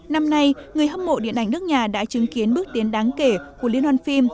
năm nay người hâm mộ điện ảnh nước nhà đã chứng kiến bước tiến đáng kể của liên hoan phim